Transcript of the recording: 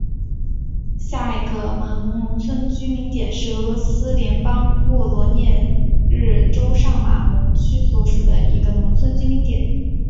第一下马蒙农村居民点是俄罗斯联邦沃罗涅日州上马蒙区所属的一个农村居民点。